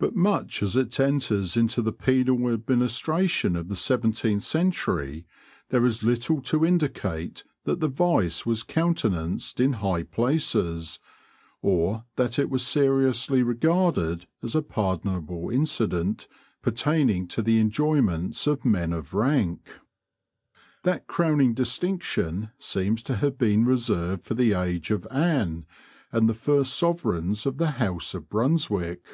But much as it enters into the penal administration of the seventeenth century, there is little to indicate that the vice was countenanced in high places, or that it was seriously regarded as a pardonable incident pertaining to the enjoyments of men of rank. That crowning distinction seems to have been reserved for the age of Anne and the first sovereigns of the house of Brunswick.